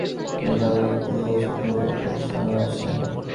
আপনি তাহলে কুড়ি বছর ধরে এদের সঙ্গে আছেন?